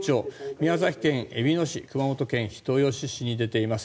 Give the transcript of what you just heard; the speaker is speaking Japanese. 宮崎県えびの市、熊本県人吉市に出ています。